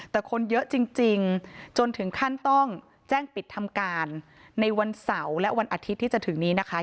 แต่คนเยอะจริงจนถึงขั้นต้องแจ้งปิดทำการในวันเสาร์และวันอาทิตย์ที่จะถึงนี้นะคะ